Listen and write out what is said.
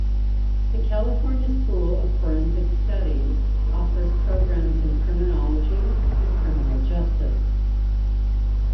The California School of Forensic Studies offers programs in criminology and criminal justice.